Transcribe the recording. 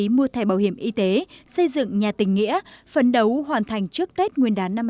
để mua thẻ bảo hiểm y tế xây dựng nhà tình nghĩa phấn đấu hoàn thành trước tết nguyên đán năm hai nghìn một mươi bảy